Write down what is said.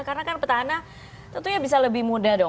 karena kan petahana tentunya bisa lebih mudah dong